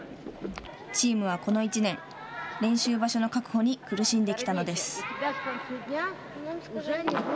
チームはこの１年練習場所の確保に苦しんできたのです。